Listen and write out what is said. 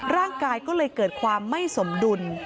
ร่างกายก็เลยเกิดความไม่สมดุล